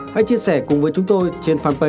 hãy chia sẻ cùng với chúng tôi trên fanpage